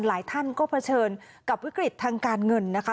หลายท่านก็เผชิญกับวิกฤตทางการเงินนะคะ